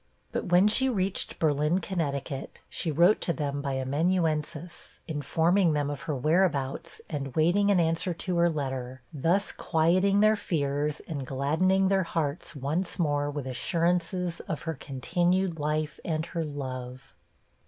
But when she reached Berlin, Conn., she wrote to them by amanuensis, informing them of her whereabouts, and waiting an answer to her letter; thus quieting their fears, and gladdening their hearts once more with assurances of her continued life and her love.